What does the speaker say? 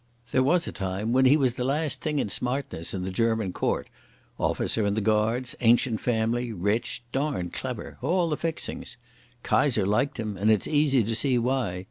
There was a time when he was the last thing in smartness in the German court—officer in the Guards, ancient family, rich, darned clever—all the fixings. Kaiser liked him, and it's easy to see why.